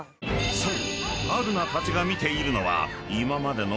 ［そう。